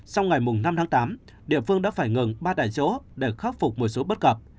sau ngày năm tháng tám địa phương đã phải ngừng ba tại chỗ để khắc phục một số bất cập